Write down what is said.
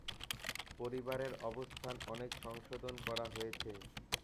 পরিবারের অবস্থান অনেক সংশোধন করা হয়েছে।